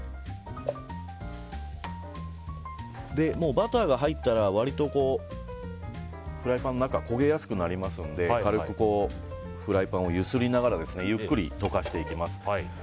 もうバターが入ったら割とフライパンの中焦げやすくなりますので軽くフライパンを揺すりながらゆっくり溶かしていきます。